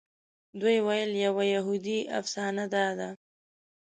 دوی ویل یوه یهودي افسانه داده.